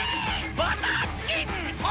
バターチキン炎